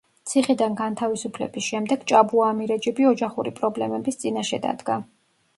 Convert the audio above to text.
ციხიდან განთავისუფლების შემდეგ ჭაბუა ამირეჯიბი ოჯახური პრობლემების წინაშე დადგა.